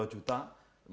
pernikahan cuma dua juta